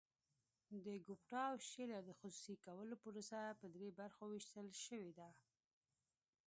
د ګوپټا او شیلر د خصوصي کولو پروسه په درې برخو ویشل شوې ده.